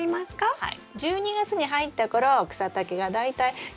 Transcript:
はい。